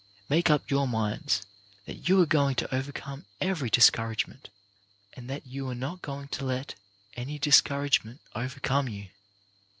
Make up your minds that you are going to over come every discouragement, and that you are not going to let any discouragement overcome you.